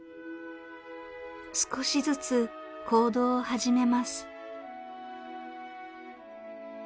少しずつ行動を始めます。